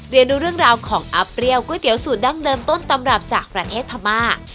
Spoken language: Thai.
เรียนดูเรื่องราวของอัพเปรี้ยวก๋วเตี๋ยสูตรดั้งเดิมต้นตำรับจากประเทศพม่า